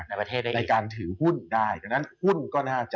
ในวัฒนาประเทศได้กิจ